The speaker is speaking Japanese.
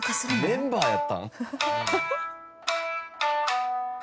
メンバーやったん？